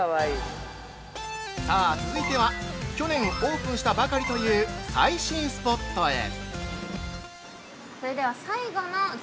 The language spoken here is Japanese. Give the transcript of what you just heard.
◆さあ、続いては去年オープンしたばかりという最新スポットへ。